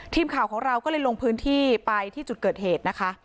ทีมข่าวของเราก็เลยลงพื้นที่ไปที่จุดเกิดเหตุนะคะ